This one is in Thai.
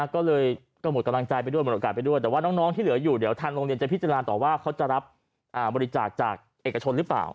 ก็เลยก็หมดกำลังใจไปด้วยหมดโอกาสไปด้วยแต่ว่าน้องที่เหลืออยู่เดี๋ยวทางโรงเรียนจะพิจารณาต่อว่าเขาจะรับบริจาคจากเอกชนหรือเปล่า